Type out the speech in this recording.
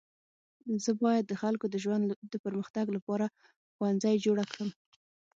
زه باید د خلکو د ژوند د پرمختګ لپاره ښوونځی جوړه کړم.